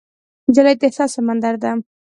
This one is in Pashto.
نجلۍ د احساس سمندر ده.